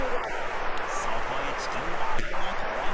そこへチキンラーメンを投入